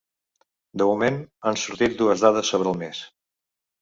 De moment, han sortit dues dades sobre el mes.